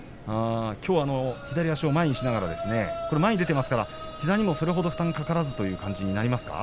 きょうは左足を前にしながら前に出ていますから膝にはそれほど負担がかからずという感じになりますか。